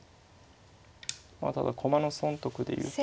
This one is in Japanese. まあただ駒の損得で言うと。